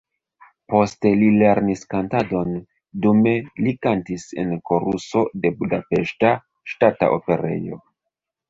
Poste li lernis kantadon, dume li kantis en koruso de Budapeŝta Ŝtata Operejo.